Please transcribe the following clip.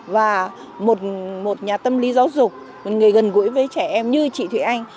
và một nhà tâm lý giáo dục một người gần gũi với trẻ em như chị thụy anh